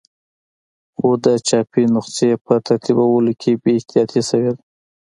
خو د چاپي نسخې په ترتیبولو کې بې احتیاطي شوې ده.